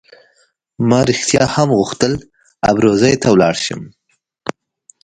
ما رښتیا هم غوښتل ابروزي ته ولاړ شم.